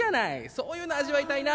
そういうの味わいたいなと思って。